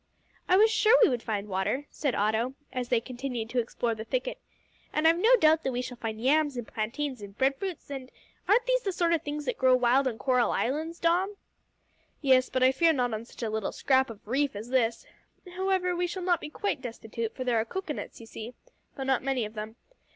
"I was sure we would find water," said Otto, as they continued to explore the thicket, "and I've no doubt that we shall find yams and plantains and breadfruits, and aren't these the sort of things that grow wild on coral islands, Dom?" "Yes, but I fear not on such a little scrap of reef as this. However, we shall not be quite destitute, for there are cocoa nuts, you see though not many of them.